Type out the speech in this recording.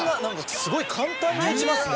すごい簡単に打ちますね。